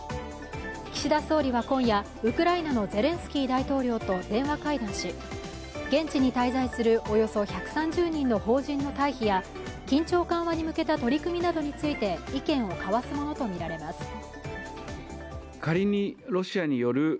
岸田総理は今夜、ウクライナのゼレンスキー大統領と電話会談し、現地に滞在するおよそ１３０人の邦人の退避や緊張緩和に向けた取り組みなどについて意見を交わすものとみられます。